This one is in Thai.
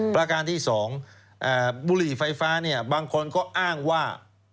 ประการที่๒บุหรี่ไฟฟ้าเนี่ยบางคนก็อ้างว่า